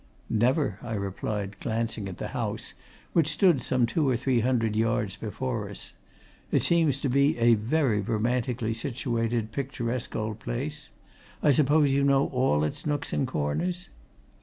"Never," I replied, glancing at the house, which stood some two or three hundred yards before us. "It seems to be a very romantically situated, picturesque old place. I suppose you know all its nooks and corners?"